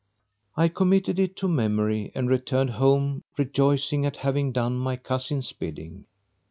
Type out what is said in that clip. I committed it to memory and returned home rejoicing at having done my cousin's bidding.